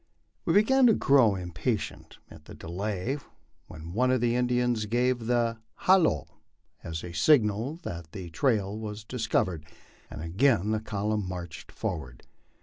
We began to grow impatient at the delay, when one of the Indians gave the halloo " as the signal that the trail was discovered, and again the column marched forward.